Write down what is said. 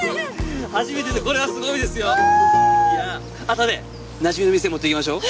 あとでなじみの店持っていきましょう。